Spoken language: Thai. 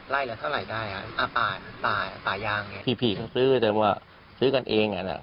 ไล่ละเท่าไหร่ได้อ่ะอ้าป่าป่ายางพี่ก็ซื้อแต่ว่าซื้อกันเองอ่ะน่ะ